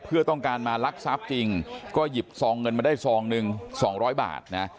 เพื่อต้องการมาลักทรัพย์จริงก็หยิบซองเงินมาได้ซองหนึ่ง๒๐๐บาทนะ